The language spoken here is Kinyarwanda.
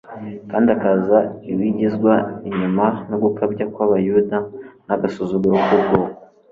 kandi akaza lwigizwa inyuma no gukabya kw'abayuda n'agasuzuguro k'ubwoko